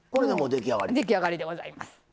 出来上がりでございます。